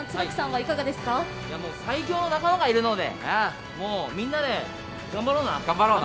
最強の仲間がいるのでみんなで頑張ろうな。